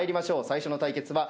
最初の対決は。